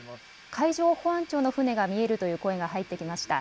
海上保安庁の船が見えるという声が入ってきました。